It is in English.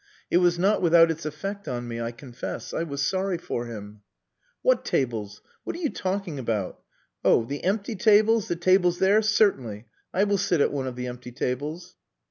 It was not without its effect on me, I confess. I was sorry for him. "What tables? What are you talking about? Oh the empty tables? The tables there. Certainly. I will sit at one of the empty tables."